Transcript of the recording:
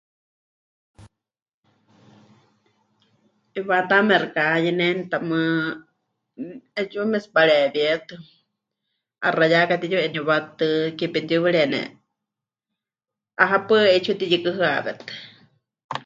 'Iwataame xɨka hayeneni tamɨ́ 'eetsiwa matsipareewíetɨ, 'axa ya katiyu'eníwatɨ, ke petiyuriene 'ahepaɨ 'eetsiwa tiyukɨhɨawétɨ.